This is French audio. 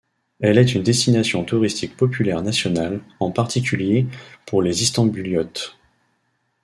Elle est une destination touristique populaire nationale, en particulier pour les Istanbuliotes.